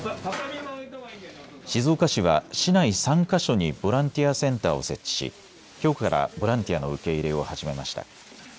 静岡市は市内３か所にボランティアセンターを設置しきょうからボランティアの受け入れを始めました。